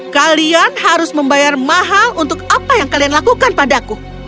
kalian harus membayar mahal untuk apa yang kalian lakukan padaku